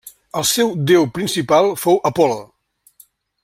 El seu déu principal fou Apol·lo.